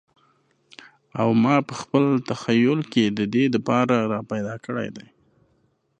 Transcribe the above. او ماپه خپل تخیل کی ددې د پاره را پیدا کړی دی